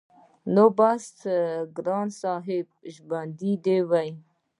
نو بس ګران صاحب به ژوندی وي-